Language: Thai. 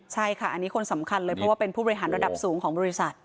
ใช่ค่ะอันนี้คนสำคัญเลยเพราะว่าเป็นผู้บริหารระดับสูงของบริษัท